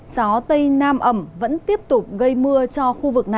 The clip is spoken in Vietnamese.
gió tây nam ẩm vẫn tiếp tục gây mưa cho khu vực này